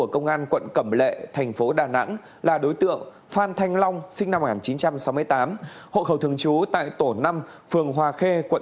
công an huyện phục hòa